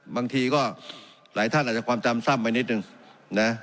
บางทีก็หลายท่านอาจจะความจำซ่ำไปนิดนึงนะ